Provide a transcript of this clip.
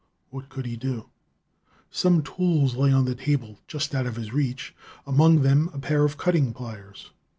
What could he do? Some tools lay on the table, just out of his reach, among them a pair of cutting pliers.